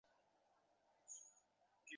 তিনি এই বিপর্যয়ের প্রত্যক্ষদর্শী ছিলেন।